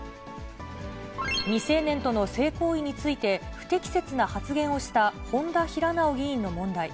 未成年との性行為について、不適切な発言をした本多平直議員の問題。